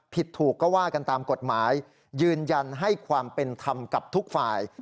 ผิดถูกก็ว่ากันตามกฎหมายยืนยันให้ความเป็นธรรมกับทุกฝ่าย